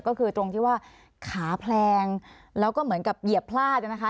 ก็คือตรงที่ว่าขาแพลงแล้วก็เหมือนกับเหยียบพลาดนะคะ